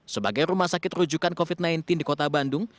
sebagai rumah sakit rujukan covid sembilan belas di kota bandung